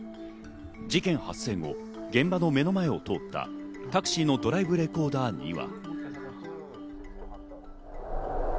事件発生後、現場の目の前を通ったタクシーのドライブレコーダーには。